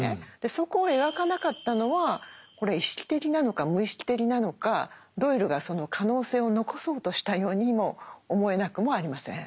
そこを描かなかったのはこれは意識的なのか無意識的なのかドイルがその可能性を残そうとしたようにも思えなくもありません。